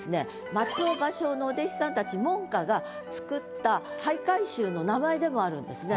松尾芭蕉のお弟子さんたち門下が作った俳諧集の名前でもあるんですね。